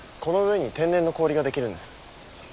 この上に天然の氷が出来るんです。